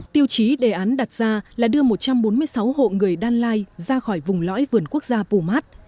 tiêu chí đề án đặt ra là đưa một trăm bốn mươi sáu hộ người đan lai ra khỏi vùng lõi vườn quốc gia pumat